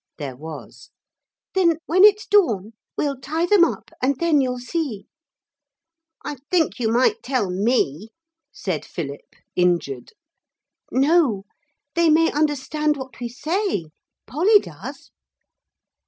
There was. 'Then when it's dawn we'll tie them up and then you'll see.' 'I think you might tell me,' said Philip, injured. 'No they may understand what we say. Polly does.'